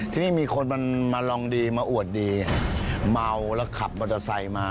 ทีนี้มีคนมันมาลองดีมาอวดดีเมาแล้วขับมอเตอร์ไซค์มา